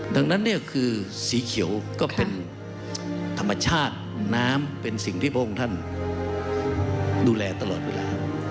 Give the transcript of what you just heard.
ดังนั้นเนี่ยคือสีเขียวก็เป็นธรรมชาติน้ำเป็นสิ่งที่พระองค์ท่านดูแลตลอดเวลา